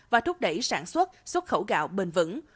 và thúc đẩy sản xuất xuất khẩu gạo bền vững